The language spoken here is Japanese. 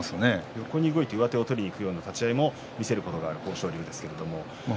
横に動いて上手を取りにいく立ち合いを見せることもある豊昇龍ですね。